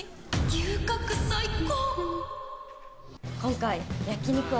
牛角最高！